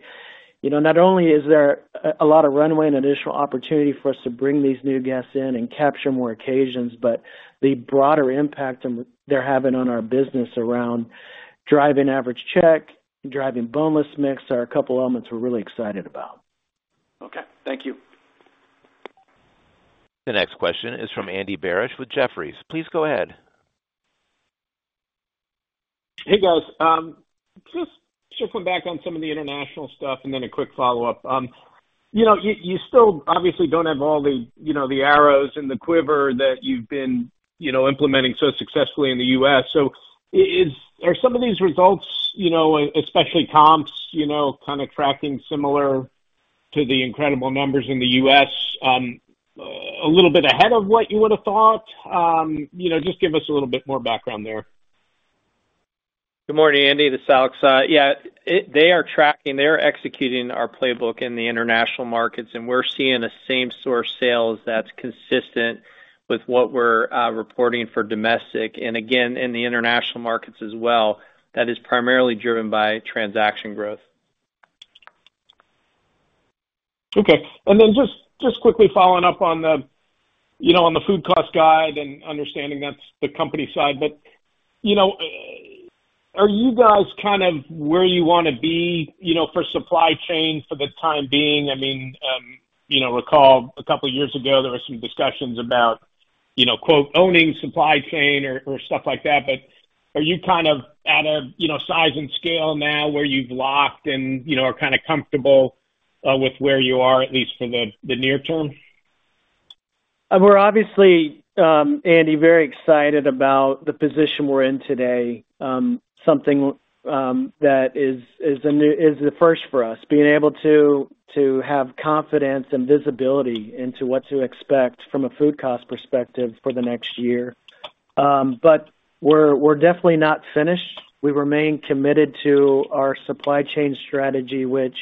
not only is there a lot of runway and additional opportunity for us to bring these new guests in and capture more occasions, but the broader impact they're having on our business around driving average check, driving boneless mix are a couple of elements we're really excited about. Okay. Thank you. The next question is from Andy Barish with Jefferies. Please go ahead. Hey, guys. Just circling back on some of the international stuff and then a quick follow-up. You still obviously don't have all the arrows and the quiver that you've been implementing so successfully in the U.S. So are some of these results, especially comps, kind of tracking similar to the incredible numbers in the U.S. a little bit ahead of what you would have thought? Just give us a little bit more background there. Good morning, Andy. This is Alex. Yeah. They are tracking. They are executing our playbook in the international markets, and we're seeing a same-store sales that's consistent with what we're reporting for domestic. And again, in the international markets as well, that is primarily driven by transaction growth. Okay. And then just quickly following up on the food cost guide and understanding that's the company side. But are you guys kind of where you want to be for supply chain for the time being? I mean, recall a couple of years ago, there were some discussions about "owning supply chain" or stuff like that. But are you kind of at a size and scale now where you've locked and are kind of comfortable with where you are, at least for the near term? We're obviously, Andy, very excited about the position we're in today, something that is the first for us, being able to have confidence and visibility into what to expect from a food cost perspective for the next year. But we're definitely not finished. We remain committed to our supply chain strategy, which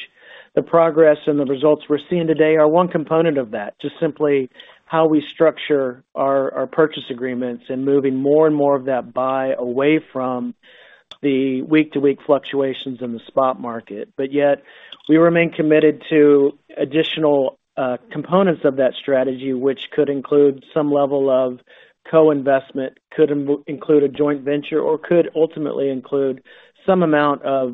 the progress and the results we're seeing today are one component of that, just simply how we structure our purchase agreements and moving more and more of that buy away from the week-to-week fluctuations in the spot market. But yet, we remain committed to additional components of that strategy, which could include some level of co-investment, could include a joint venture, or could ultimately include some amount of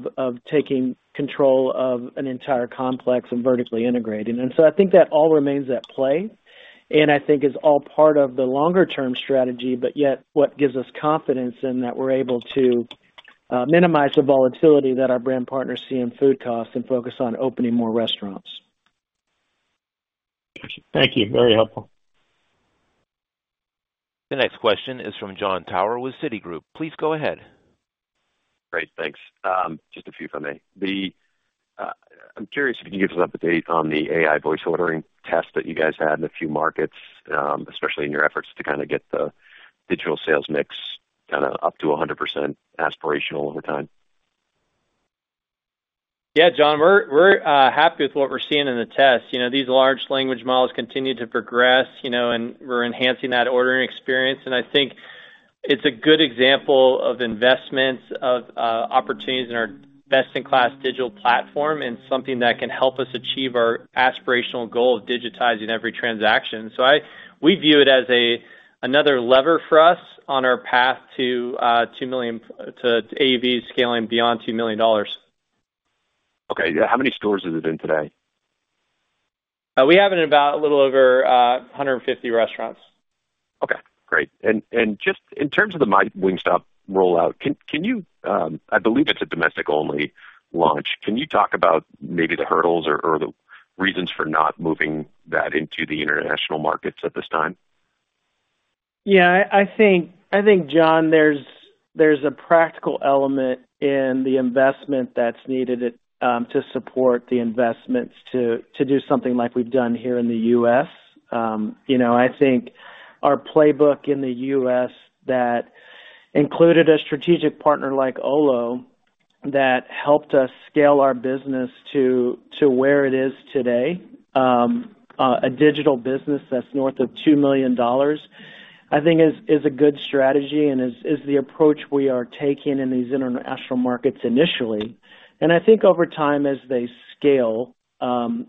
taking control of an entire complex and vertically integrating. And so I think that all remains at play and I think is all part of the longer-term strategy, but yet what gives us confidence in that we're able to minimize the volatility that our brand partners see in food costs and focus on opening more restaurants. Thank you. Very helpful. The next question is from Jon Tower with Citigroup. Please go ahead. Great. Thanks. Just a few from me. I'm curious if you can give us an update on the AI voice ordering test that you guys had in a few markets, especially in your efforts to kind of get the digital sales mix kind of up to 100% aspirational over time. Yeah, Jon. We're happy with what we're seeing in the test. These large language models continue to progress, and we're enhancing that ordering experience. I think it's a good example of investments, of opportunities in our best-in-class digital platform, and something that can help us achieve our aspirational goal of digitizing every transaction. We view it as another lever for us on our path to AUVs scaling beyond $2 million. Okay. How many stores is it in today? We have it in about a little over 150 restaurants. Okay. Great. Just in terms of the Wingstop rollout, I believe it's a domestic-only launch. Can you talk about maybe the hurdles or the reasons for not moving that into the international markets at this time? Yeah. I think, Jon, there's a practical element in the investment that's needed to support the investments to do something like we've done here in the U.S. I think our playbook in the U.S. that included a strategic partner like Olo that helped us scale our business to where it is today, a digital business that's north of $2 million, I think is a good strategy and is the approach we are taking in these international markets initially. I think over time, as they scale,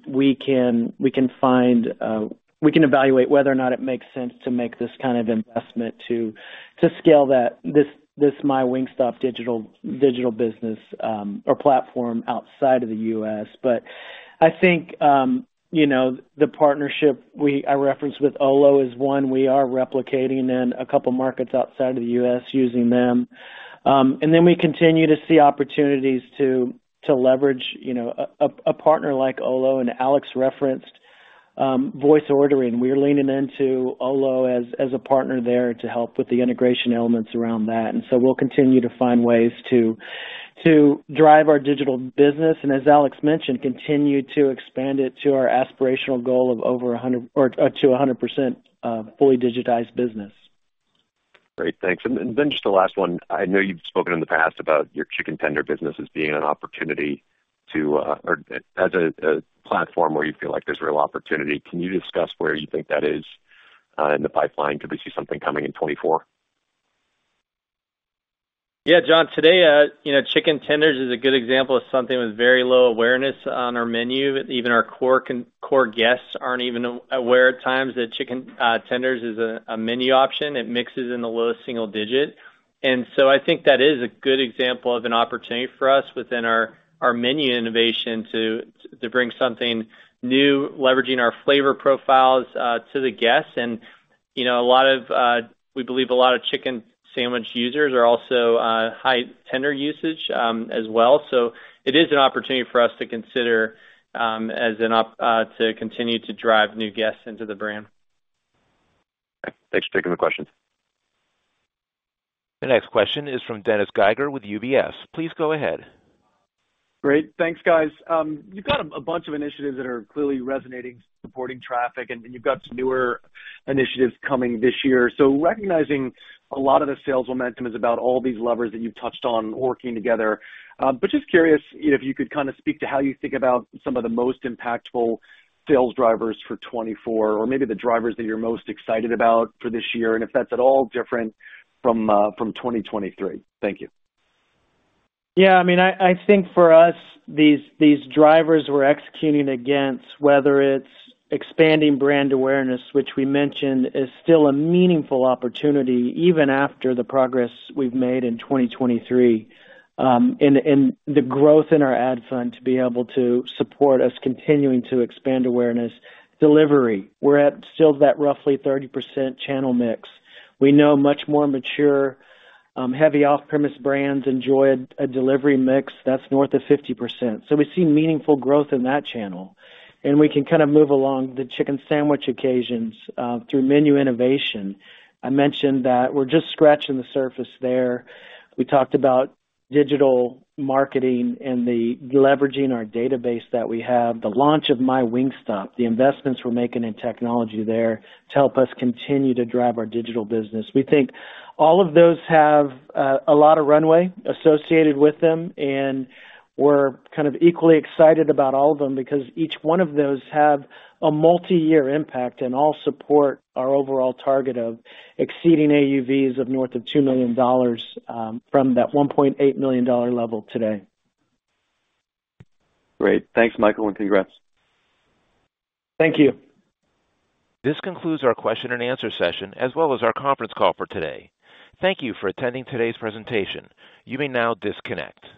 we can find we can evaluate whether or not it makes sense to make this kind of investment to scale this MyWingstop digital business or platform outside of the U.S. But I think the partnership I referenced with Olo is one. We are replicating in a couple of markets outside of the U.S. using them. Then we continue to see opportunities to leverage a partner like Olo, and Alex referenced voice ordering. We're leaning into Olo as a partner there to help with the integration elements around that. So we'll continue to find ways to drive our digital business and, as Alex mentioned, continue to expand it to our aspirational goal of to 100% fully digitized business. Great. Thanks. And then just the last one. I know you've spoken in the past about your chicken tender business as being an opportunity or as a platform where you feel like there's real opportunity. Can you discuss where you think that is in the pipeline? Could we see something coming in 2024? Yeah, Jon. Today, chicken tenders is a good example of something with very low awareness on our menu. Even our core guests aren't even aware at times that chicken tenders is a menu option. It mixes in the lowest single digit. And so I think that is a good example of an opportunity for us within our menu innovation to bring something new, leveraging our flavor profiles to the guests. And we believe a lot of chicken sandwich users are also high tender usage as well. So it is an opportunity for us to consider to continue to drive new guests into the brand. Thanks for taking the questions. The next question is from Dennis Geiger with UBS. Please go ahead. Great. Thanks, guys. You've got a bunch of initiatives that are clearly resonating, supporting traffic, and you've got some newer initiatives coming this year. So recognizing a lot of the sales momentum is about all these levers that you've touched on working together. But just curious if you could kind of speak to how you think about some of the most impactful sales drivers for 2024 or maybe the drivers that you're most excited about for this year and if that's at all different from 2023. Thank you. Yeah. I mean, I think for us, these drivers we're executing against, whether it's expanding brand awareness, which we mentioned, is still a meaningful opportunity even after the progress we've made in 2023 and the growth in our ad fund to be able to support us continuing to expand awareness, delivery. We're at still that roughly 30% channel mix. We know much more mature, heavy off-premise brands enjoy a delivery mix that's north of 50%. So we see meaningful growth in that channel. And we can kind of move along the chicken sandwich occasions through menu innovation. I mentioned that we're just scratching the surface there. We talked about digital marketing and leveraging our database that we have, the launch of MyWingstop, the investments we're making in technology there to help us continue to drive our digital business. We think all of those have a lot of runway associated with them, and we're kind of equally excited about all of them because each one of those have a multi-year impact and all support our overall target of exceeding AUVs of north of $2 million from that $1.8 million level today. Great. Thanks, Michael, and congrats. Thank you. This concludes our question-and-answer session as well as our conference call for today. Thank you for attending today's presentation. You may now disconnect.